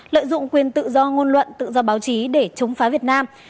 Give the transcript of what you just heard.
lợi dụng quyền tự do ngôn luận tự do báo chí để chống phá việt nam